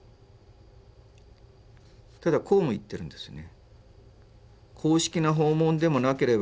ただこうも言っているんですよね。